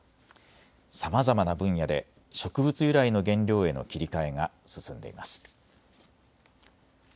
さまざまな分野で植物由来の原料への切り替えが進んでいます。